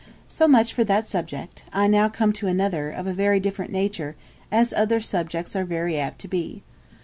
So much for that subject; I now come to another, of a very different nature, as other subjects are very apt to be.